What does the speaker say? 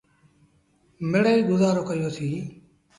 مڙيٚئيٚ گزآرو ڪيو سيٚݩ۔